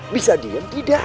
bisa diam tidak